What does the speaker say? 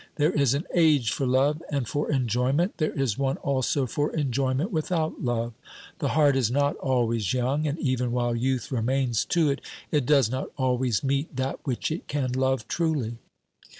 There is an age for love and for enjoyment, there is one also for enjoyment without love. The heart is not always young, and even while youth remains to it, it does not always meet that which it can love truly.